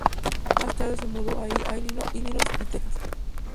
Más tarde se mudó a Illinois y Texas.